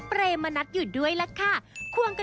เปรมานัดอยู่ด้วยล่ะค่ะ